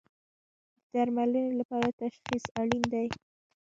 د درملنې لپاره تشخیص اړین دی